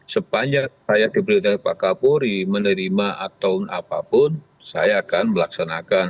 sepanjang saya diberitakan pak kapolri menerima atau apapun saya akan melaksanakan